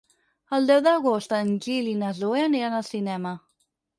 El deu d'agost en Gil i na Zoè aniran al cinema.